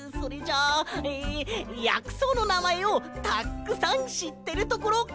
やくそうのなまえをたっくさんしってるところ！